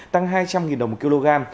tăng hai trăm linh đồng một kg